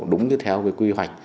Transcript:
đúng như theo cái quy hoạch